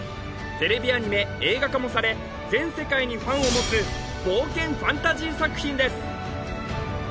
テレビアニメ映画化もされ全世界にファンを持つ冒険ファンタジー作品です